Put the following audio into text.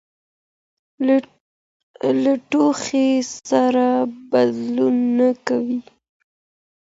له ټوخي سره بدلون نه کوي.